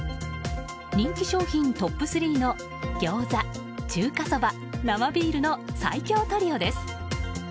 人気商品トップ３の餃子、中華そば、生ビールの最強トリオです。